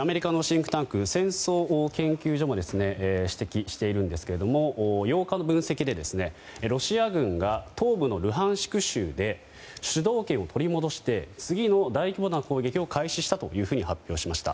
アメリカのシンクタンク戦争研究所が指摘しているんですが８日の分析で、ロシア軍が東部のルハンシク州で主導権を取り戻して次の大規模な攻撃を開始したというふうに発表しました。